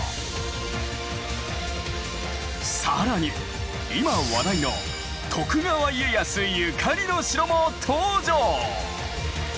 更に今話題の徳川家康ゆかりの城も登場。